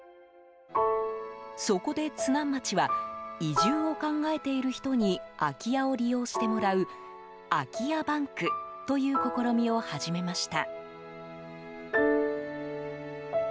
そこで津南町は移住を考えている人に空き家を利用してもらう空き家バンクという試みを始めました。